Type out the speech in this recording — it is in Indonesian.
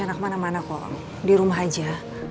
gak usah kemana mana kok dirumah aja